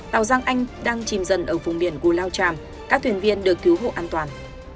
tàu giang anh đang chìm dần ở vùng biển cù lao tràm các thuyền viên được cứu hộ an toàn